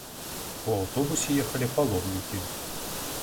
У аўтобусе ехалі паломнікі.